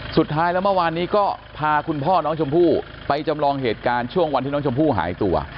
สุดท้ายแล้วเมื่อวานนี้ก็พาคุณพ่อน้องชมพู่ไปจำลองเหตุการณ์ช่วงวันที่น้องชมพู่หายตัว